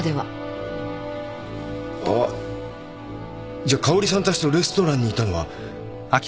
じゃあ香織さんたちとレストランにいたのは。